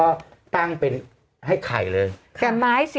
โอเคโอเคโอเค